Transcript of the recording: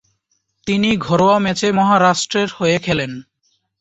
তিনি ঘরোয়া ম্যাচে মহারাষ্ট্রের হয়ে খেলেন।